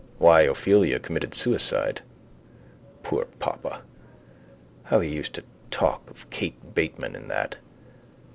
Why Ophelia committed suicide. Poor papa! How he used to talk of Kate Bateman in that.